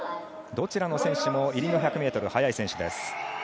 どちらの選手も入りの１００ｍ速い選手です。